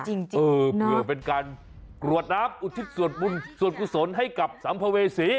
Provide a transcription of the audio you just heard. จริงเออเผื่อเป็นการกรวดน้ำอุทิศส่วนบุญส่วนกุศลให้กับสัมภเวษี